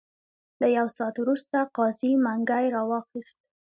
له یو ساعت وروسته قاضي منګی را واخیست.